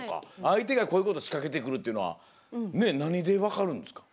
相手がこういうこと仕掛けてくるっていうのは何で分かるんですか？